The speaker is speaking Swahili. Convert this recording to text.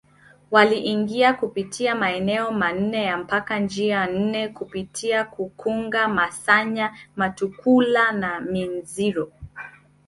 Waliingia kupitia maeneo manne ya mpaka njia nne kupitia Kukunga Masanya Mutukula na Minziro